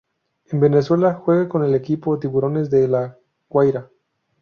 En Venezuela juega con el equipo Tiburones de La Guaira.